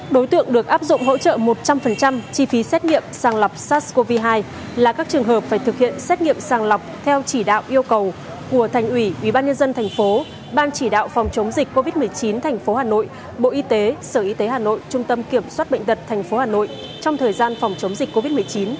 đối tượng được áp dụng hỗ trợ một trăm linh chi phí xét nghiệm sàng lọc sars cov hai là các trường hợp phải thực hiện xét nghiệm sàng lọc theo chỉ đạo yêu cầu của thành ủy ubnd tp ban chỉ đạo phòng chống dịch covid một mươi chín tp hà nội bộ y tế sở y tế hà nội trung tâm kiểm soát bệnh tật tp hà nội trong thời gian phòng chống dịch covid một mươi chín